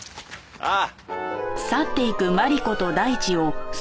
ああ。